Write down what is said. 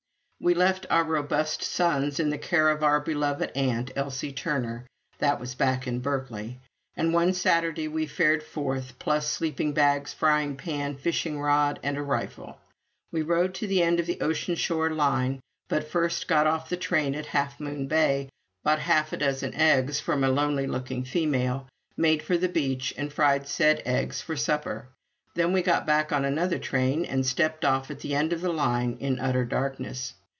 We left our robust sons in the care of our beloved aunt, Elsie Turner, this was back in Berkeley, and one Saturday we fared forth, plus sleeping bags, frying pan, fishing rod, and a rifle. We rode to the end of the Ocean Shore Line but first got off the train at Half Moon Bay, bought half a dozen eggs from a lonely looking female, made for the beach, and fried said eggs for supper. Then we got back on another train, and stepped off at the end of the line, in utter darkness.